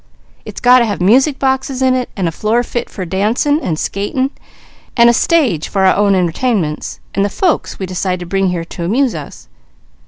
It's got to have music boxes in it, and a floor fit for dancing and skating, and a stage for our own entertainments, and the folks we decide to bring here to amuse us.